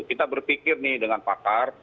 kita berpikir nih dengan pakar